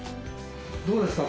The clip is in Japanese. どうですか？